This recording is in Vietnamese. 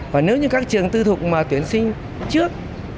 và nếu như các trường tư thục mà tuyển sinh trước